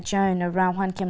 tôi rất vui khi